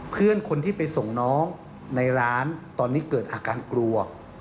เพื่อนคนที่ไปส่งน้องในร้านตอนนี้เกิดอาการกลัว